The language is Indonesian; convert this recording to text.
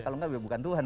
kalau gak ya bukan tuhan